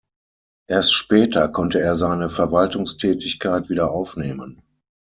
Erst später konnte er seine Verwaltungstätigkeit wieder aufnehmen.